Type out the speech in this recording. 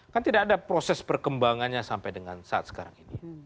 kan tidak ada proses perkembangannya sampai dengan saat sekarang ini